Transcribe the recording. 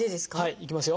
いきますよ。